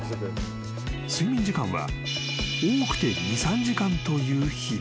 ［睡眠時間は多くて２３時間という日々］